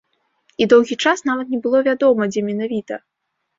І доўгі час нават не было вядома, дзе менавіта.